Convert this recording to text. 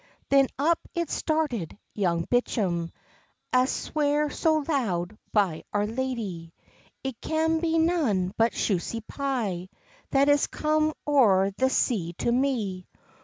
Then up it started Young Bicham, An sware so loud by Our Lady, "It can be nane but Shusy Pye That has come oor the sea to me."